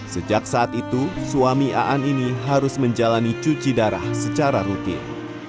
sejak saat itu suami aan ini harus menjalani cuci darah secara rutin